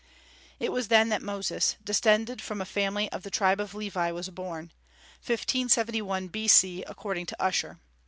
It was then that Moses, descended from a family of the tribe of Levi, was born, 1571 B.C., according to Usher.